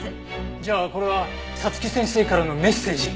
じゃあこれは早月先生からのメッセージ？